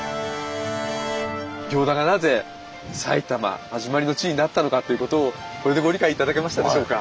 行田がなぜ埼玉はじまりの地になったのかということをこれでご理解頂けましたでしょうか？